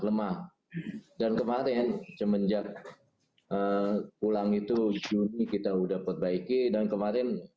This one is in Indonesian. lemah dan kemarin semenjak pulang itu juni kita udah perbaiki dan kemarin